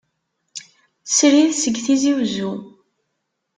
Srid seg Tizi uzzu.